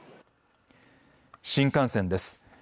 新幹線です。